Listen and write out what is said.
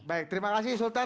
baik terima kasih sultan